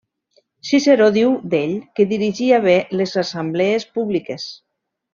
Ciceró diu d'ell que dirigia bé les assemblees públiques.